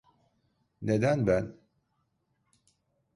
Neden ben?